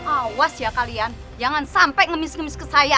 awas ya kalian jangan sampai ngemis ngemis ke saya